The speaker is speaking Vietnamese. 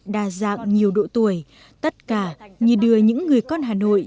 đa dạng nhiều độ tuổi tất cả như đưa những người con hà nội